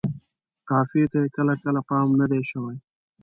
قافیې ته یې کله کله پام نه دی شوی.